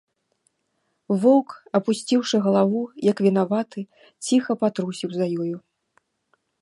Воўк, апусціўшы галаву, як вінаваты, ціха патрусіў за ёю.